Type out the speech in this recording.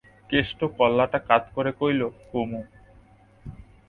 কেষ্ট কল্লাটা কাৎ করে কইল, কমু।